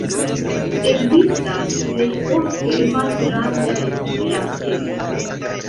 Ekzistas plej ofte malgrandaj brakteoj.